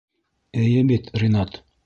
Эйе бит, Ринат.